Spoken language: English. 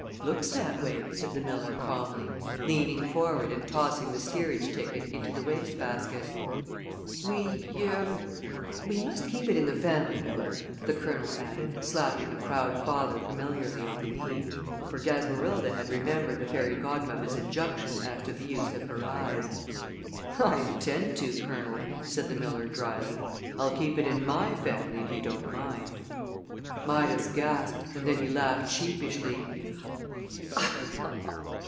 "Looks that way," said the miller, calmly, leaning forward and tossing the steerage ticket into the waste basket. "We er we must keep it in the family, Miller," the Colonel added, slapping the proud father familiarly on the knee for Gasmerilda had remembered the fairy godmother's injunction as to the use of her eyes. "I intend to, Colonel," said the miller, dryly. "I'll keep it in my family if you don't mind " Midas gasped, and then he laughed sheepishly.